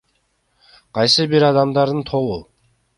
Кайсы бир адамдардын тобу.